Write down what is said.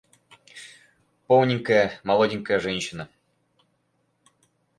Полненькая, молоденькая женщина!